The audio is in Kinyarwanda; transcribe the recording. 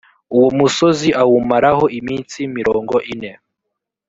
uwo musozi awumaraho iminsi mirongo ine